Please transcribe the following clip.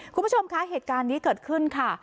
คุณผู้ชมคะเหตุการณ์นี้เกิดขึ้นค่ะ